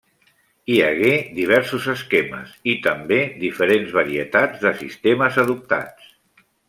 Hi hagué diversos esquemes i també diferents varietats de sistemes adoptats.